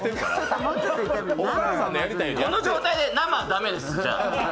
この状態で生、駄目です。